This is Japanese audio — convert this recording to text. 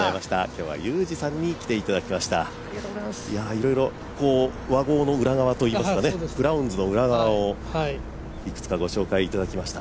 いろいろ和合の裏側といいますか、クラウンズの裏側をいくつかご紹介いただきました。